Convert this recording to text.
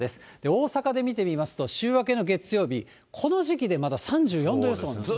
大阪で見てみますと、週明けの月曜日、この時期でまだ３４度予想なんです。